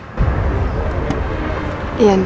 kenapa semua jadi gini ya pak